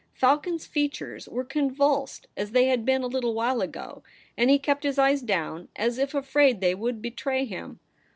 Falcon's features were convulsed as they had been a little while ago ; and he kept his eyes down as if afraid they would betray him.